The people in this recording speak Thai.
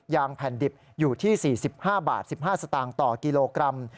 งแผ่นดิบอยู่ที่๔๕บาท๑๕สตางค์ต่อกิโลกรัม